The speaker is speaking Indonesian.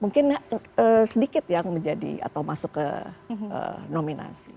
mungkin sedikit yang menjadi atau masuk ke nominasi